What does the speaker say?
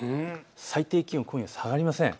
最低気温、今夜は下がりません。